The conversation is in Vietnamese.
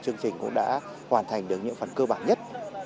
chương trình cũng đã hoàn thành được những phần cơ bản nhất